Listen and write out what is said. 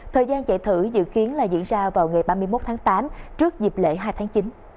thời gian chạy thử dự kiến là diễn ra vào ngày ba mươi một tháng tám trước dịp lễ hai tháng chín